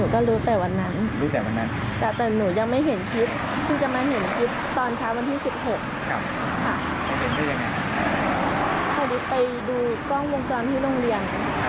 ฉันรู้แต่วันนั้นแต่ยังไม่เห็นคลิปด้านแต่วันที่๑๖จังห์วกกรวงกรที่โรงเรียน